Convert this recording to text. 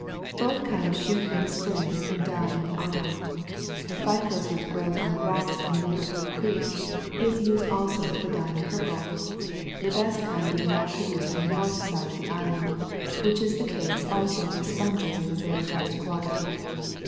Both kinds shoot in the spring, and die in autumn.41 The phycos42 which grows on the rocks in the neighbourhood of Crete, is used also for dyeing purple ; the best kind being that produced on the north side of the island, which is the case also with sponges of the very best quality.